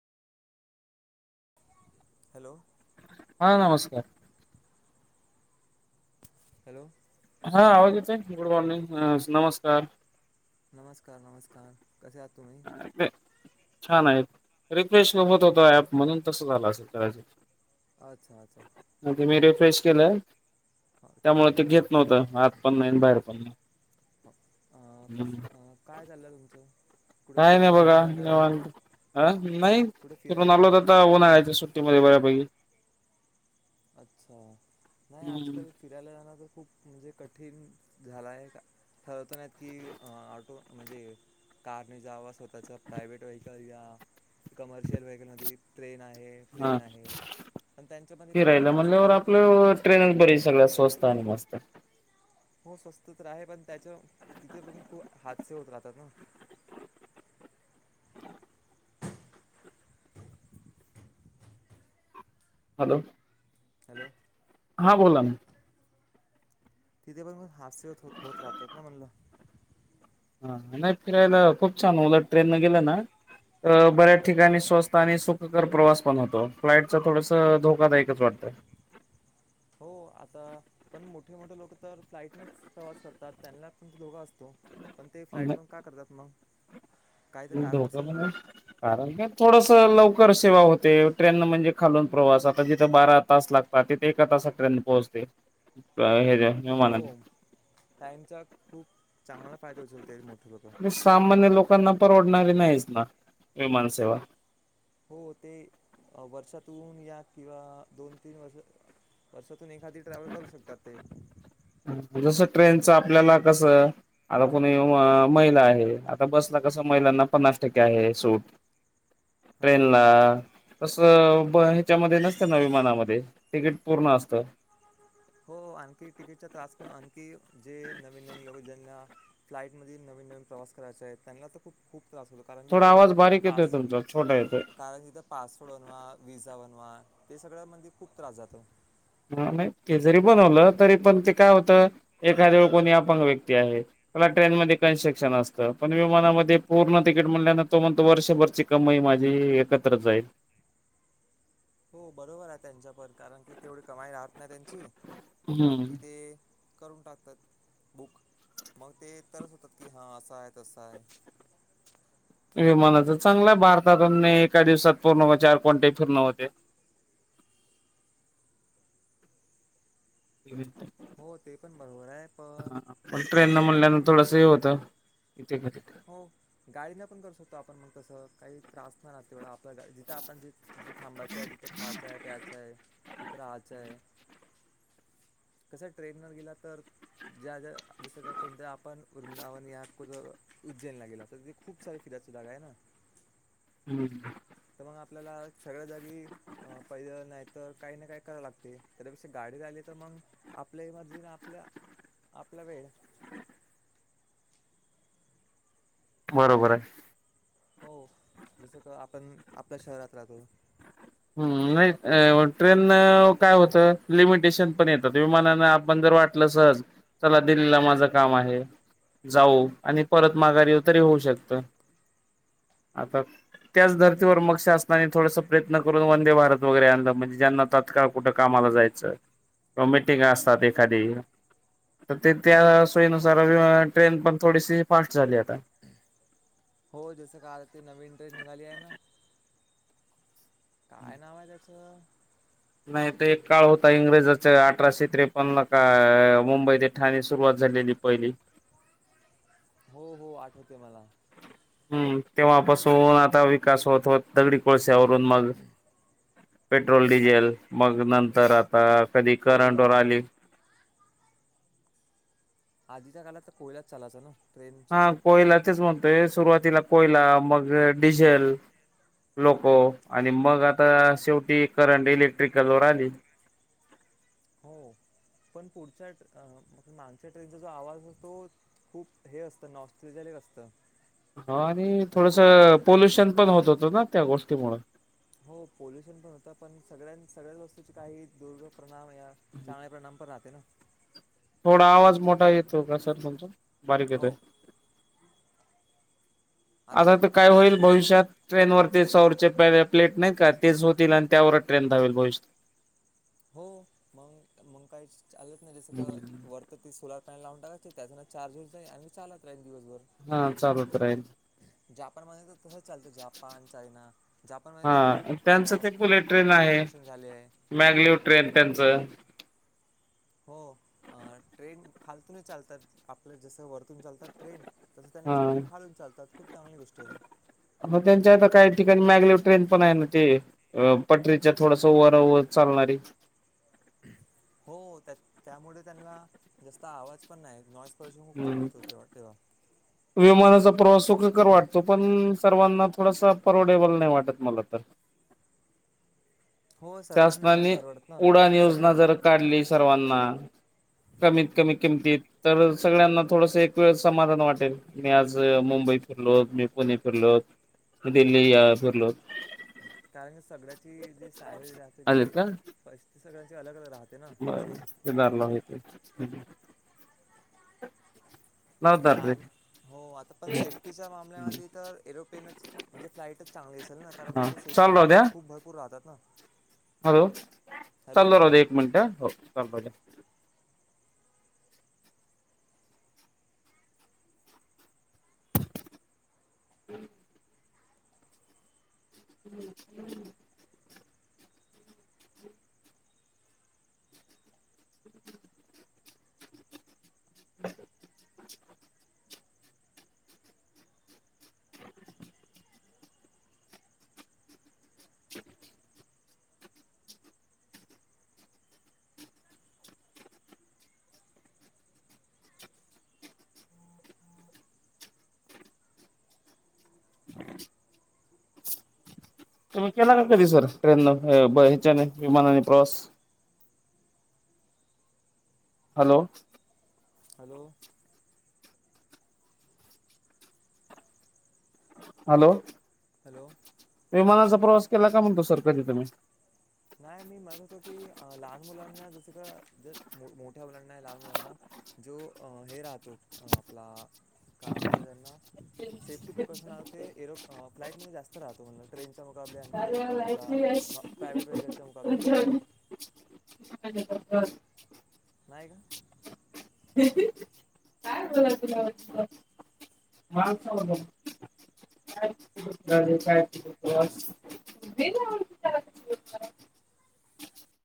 Hello.... हां नमस्कार.... hello..... हा आवाज येतोय गुड मॉर्निंग नमस्कार... नमस्कार नमस्कार कसे आहात तुम्ही? [unintelligible] छान आहेत रिफ्रेश न होत होत ऍप म्हणून तसं झालं असे कदाचित.... अच्छा अच्छा... तुम्ही रिफ्रेश केलंय ठीक आहे त्यामुळे ते ठीक घेत नव्हतं आत पण नाही बाहेर पण नाही.... कस हं. काय झालं तुमचं.... कुठे काय नाही फिरायला वगैरे बघा जाणार आहे का निवांत अ नाही कुठे फिरून फिरायला आलो तर वगैरे आता उन्हाळ्याच्या सुट्टी..... बऱ्यापैकी.... अच्छा नाही हम्म आजकाल फिरायला जाणं तर खूप म्हणजे कठीण झालाय का? ठरत नाहीत की ऑटो म्हणजे... कारने जाव स्वतःच्या प्रायव्हेट व्हेकल या... कमर्शियल व्हेकल म ट्रेन आहे हा प्लेन आहे पण त्यांच्यामध्ये पण खूप... त्रास त्यावर असतो ना आपलं ट्रेन बरी सगळ स्वस्त आणि मस्त... हो स्वस्त तर आहे पण त्याच्या तिथ पण खूप हादसे होत राहतात ना... हॅलो.... हॅलो..... हां बोला ना... तिथे पण म हास्य होत हो होत राहतात ना म्हणलं... हा नाही फिरायला खूप छान उल ट्रेन न गेलं ना बऱ्याच हां ठिकाणी स्वस्त आणि सुखकर प्रवास पण होतो फ्लाइट चा थोडस धोकादायकच वाटतय हो आता पण मोठे मोठे लोक तर फ्लाईटनेच प्रवास करतात त्यांना पण त धोका असतो. पण ते फ्लाईटवरण का करतात मग काय तर कारण धोका असेल ना म्हणजे कारण का थोडस लवकर सेवा होते ट्रेनन म्हणजे खालून प्रवास आता जिथं बारा तास लागतो ते एका ताासकर्यंत पोहोचते हे ज हो टाइमचा खूप चांगला फायदा होचलत मोठ लोक सामान्य लोकांना परवडणारी नाहीच ना विमानसेवा हो ते वर्षातहून या किंवा दोन तीन वर्ष वर्षातून एखादी ट्रॅव्हल करू शकतात ते जसं ट्रेनच आपल्याला कसं आता कोणी महिला आहे आता बसला कस महिलांना पन्नास टक्के आहे सूट ट्रेन हो ला तस त्याच्या म नसत ना विमानामध्ये तिकीट पूर्ण असतं [inaudible] हो आणखी तिकीटच्या त्रास पून आणखी जे नवीन नवीन लोक ज्यांना फ्लाईटमध्ये नवीन नवीन प्रवास करायचे आहेत त्यांना तर खूप खूप त्रास होतो. कारण की थोडा तर आवाज बारीक येतोय पास तुमचा छोटा येतोय कारणस तर पासवोर्ड बनवा वि्हसाा बनवा ते सगळ्यामध्येणे खूप त्रास जातो. ह नाही ते जरी बनवलं तरी पण ते काय होतं एखादे कोणी अपंग व्यक्ती आहे मला ट्रेन मध्ये कन्स्ट्रक्शन असतं पण विमानामध्ये पूर्ण तिकीट मिल्यान तो म्हणतो वर्षभरची कमई माझी एकत्र जाईल. हो बरोबर आहे त्यांच्याप कारण की तेवढी कमाई राहत नाही त्यांची हम्म आणखी ते करून टाकतात बुक मग ते तरच होतात की हां असं आहे तसं आहे. विमानाच चांगला आहे भारतातून एका दिवसात पूर्ण चार कोंटे फिरण होते. ह [inaudible] हो ते पण बरोबर आहे पण पण ट्रेन न दोघां म्हणल्यान थोडस हे होतं इे ख‌ हो गाई न पण करू शकतो आपण मग कसं काही त्रास नाही ना तेवढा स जिथं आपण ज जिथे थांबायचं आहे जिथे खायचं आहे प्यायचं आहे तिथे राहायचं आहे. कस ट्रेनवर गेला तर ज्या ज्या जस का कोणत्या आपण वृंदावन याक उज्जैनला गेला तर तथे खूप सारे फिर सुधा का आहे ना हम्म तर मग आपल्याला सगळ्या जागी अ पहिलं नाही तर काही ना काही कराव लागते त्यापेक्षा गाडी रा आली तर मग आपल्या इ मर्जीने आपल्या आपला वेळ बरोबर आहे. हो जसं का आपण आपल्या शहरात राहतो. हम्म नाही तसं ट्रेन काय होत लिमिटेशन पण येत विमाना आपण जर वाटलं सहज चला दिल्लीला माझं काम आहे. जाऊ आणि परत माघारी येऊ तरी होऊ शकत आता त्याच धर्तीवर मक्ष असनाने थोडसा प्रयत्न करून वंदे भारत वगैरे आण म्हणजे ज्यांना तातकाळ कुठं कामाला जायचं कॉमिटींग असतात एखादी तर ते त्या सोयीनुसार हो ट्रेन पण थोडीशी फास्ट झाली आता हो जसं का आता ते नवीन ट्रेन निघाली आहे ना काय नाव आहे त्याचं नाही तर एक काळ होता इंग्रजाच अठराशे त्रेपन्न का मुंबईत ठाणे सुरुवात झालेली पहिली. हो हो आठवते मला. हम्म तेव्हापासून आता विकास होत होत दगडी कोळश्यावरून मग पेट्रोल, आ डिझेल मग नंतर आता अ कधी करंट कोयला वर आली. आधीच्या काळात तर कोयलातच चालायचा ना. हा ट्रेनचा कोयला तेच म्हणतोय. सुरुवातीला कोयला. मग डिझेल. लोको आणि मग आता शेवटी करंट इलेक्ट्रिकलवर आली. हो पण पुढच्या मागच्या ट्रेनचा जो आवाज अस तो खूप हे असत नॉस्ट्रेजलीक असत. हो आणि थोडस त्यांची पोल्युशन पण होत होत ना त्या गोष्टीमुळ. हो पोल्युशन पण होत. पण सगळ्या सगळ्या वस्तूचे काही दुर प्रणाम या चाण्या प्रणाम पण राहते ना. थोडा आवाज मोठा येतो का सर तुमचा. बारीक येतोय. हो आता अस येतंय वाटत काय होईल भविष्यात. ट्रेनवरती सौरचे प प्लेट नाही का. तेच होतील आणि त्यावरच ट्रेन धावेल भविष्य हो मग मग काही चालत नाही जस का भविष्यात वर तर ते सोलर पॅनल लावून टाकायची. त्यान चार्ज होत जाईल. आणि चालत राहील दिवसभर. हा चालत राहील. जापानमध्ये तर तसच चालत. जापान, चायना जापानमध्ये तर हा खूप अ त्यांचं खूप इनोव्हेशन झाले आहे. मॅगलीव ट्रेन त्यांच हो ट्रेंड खालतून चालतात. आपल जस वर तुन चालतात ट्रेन. तस हा त्यांची पण खालून चालतात. खूप चांगली गोष्ट आहे. मग त्यांच्या आता काही ठिकाणी मॅगले ट्रेन पण आहे ना ते. अ पटरीच्या थोडस वर वर चालणारी. हो त्या त्यामुळे त्यांना जास्त आवाज पण नाही, नॉइस पोल्युशन खूप कमी हम्म होत. हो ठेवा. विमानाचा प्रवास सुखकर वाटतो पण, सर्वांना थोडासा परवडेबल नाही वाटत मला तर‌. हो सर्वांना नाही शासनानी परवडत ना उडान सगळ्या योजना जर काढली सर्वांना कमीत कमी किमतीत. तर सगळ्यांना थोडस एक वेळ समाधान वाटेल. मी आज मुंबई फिरलोत, मी पुणे फिरलोत. दिल्ली फिरलोत. काय आहे सगळ्याची जे सॅलरी राहते जे पैसे सगळ्यांची अलग अलग राह मग दार लावून येते. लाव आता दार रे लहान हो आता पण सेफ्टीच्या मामल्यामध्ये तर एरोप्लेनच म्हणजे फ्लाईटच चांगली असेल ना. कारण हा इथे सेप्टी चालू राहू द्या प्रिकॉशन खूप भरपूर राहतात ना. हॅलो हॅलो चालू राहू द्या एक मिनट. हो चालू राहू द्या. [inaudible] [inaudible] [inaudible] [inaudible] तुम्ही केला का कधी सर ट्रेनन ब हेच्याने विमानाने प्रवास हॅलो हॅलो हॅलो हॅलो विमानाचा प्रवास केला का म्हणतो सर कधी तुम्ही? नाही मी म्हणत होतो की, अ लहान मुलांना जस का ज मोठ्या मुलांना लहान मुलांना जो हे राहतो‌ आपला का म्हणतात त्यांना सेफ्टी प्रिकॉशन आ ते एरो फ्लाइट मध्ये जास्त राहतो म्हटल. ट्रेनच्या मुकाबले आणखी आपला प्रा प्रायवेट वेहेकबलच्या मुकाबले [unintelligible] नाही का. [unintelligible] काय बोलाय तुला वाटतं. हा स [unintelligible] [unintelligible] झाले काय [unintelligible]